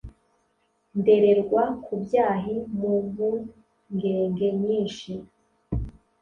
ndererwa ku byahi, mu mpungenge nyinshi.